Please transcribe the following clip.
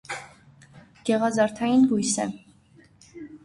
Գեղազարդային բույս է։